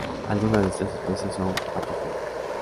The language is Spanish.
Algunas de estas especies son patógenas.